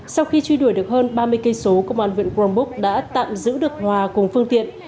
sau khi truy đuổi được hơn ba mươi km công an huyện crong búc đã tạm giữ được hòa cùng phương tiện